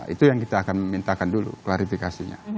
itu yang kita akan mintakan dulu klarifikasinya